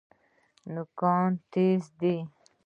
نوکان تیز دي.